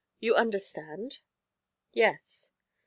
You understand?' 'Yes.'